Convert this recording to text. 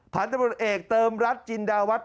ผ่านตำรวจเอกเติมรัฐจินดาวัฒ